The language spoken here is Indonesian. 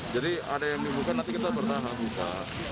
jadi ada yang dibuka nanti kita pertama buka